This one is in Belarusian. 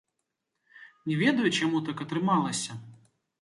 Не ведаю, чаму так атрымалася.